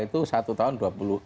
kalau di sekolah